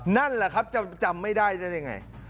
นั่นแหละครับจำไม่ได้นั่นยังไง